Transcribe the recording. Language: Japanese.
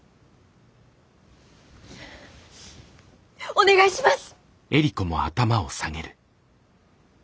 お願いします！